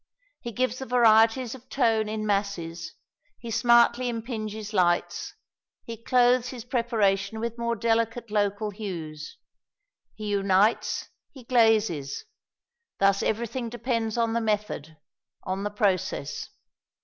He gives the varieties of tone in masses; he smartly impinges lights, he clothes his preparation with more delicate local hues, he unites, he glazes: thus everything depends on the method, on the process.